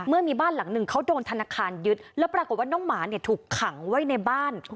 เมื่อมีบ้านหลังหนึ่งเขาโดนธนาคารยึดแล้วปรากฏว่าน้องหมาเนี่ยถูกขังไว้ในบ้าน